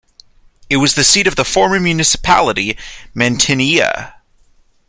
It was the seat of the former municipality Mantineia.